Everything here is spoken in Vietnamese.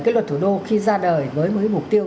cái luật thủ đô khi ra đời với một mục tiêu